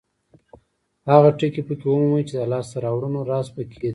هغه ټکي پکې ومومئ چې د لاسته راوړنو راز پکې دی.